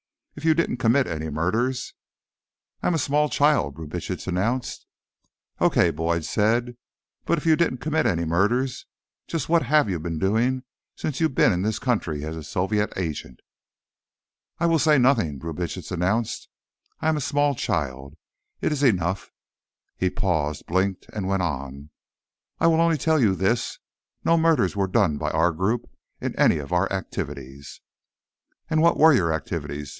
"If you didn't commit any murders—" "I am a small child," Brubitsch announced. "Okay," Boyd said. "But if you didn't commit any murders, just what have you been doing since you've been in this country as a Soviet agent?" "I will say nothing," Brubitsch announced. "I am a small child. It is enough." He paused, blinked, and went on, "I will only tell you this: no murders were done by our group in any of our activities." "And what were your activities?"